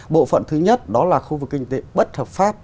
bộ phận thứ nhất đó là khu vực kinh tế bất hợp pháp